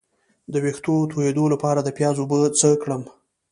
د ویښتو تویدو لپاره د پیاز اوبه څه کړم؟